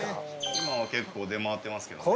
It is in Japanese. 今は結構出回ってますけどね。